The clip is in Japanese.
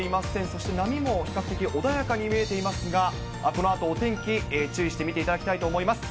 そして、波も比較的、穏やかに見えていますが、このあとお天気、注意して見ていただきたいと思います。